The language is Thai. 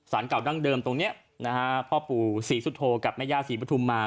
เก่าดั้งเดิมตรงนี้นะฮะพ่อปู่ศรีสุโธกับแม่ย่าศรีปฐุมมา